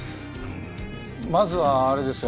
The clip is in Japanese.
まずはあれですよ